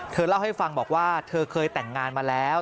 เล่าให้ฟังบอกว่าเธอเคยแต่งงานมาแล้ว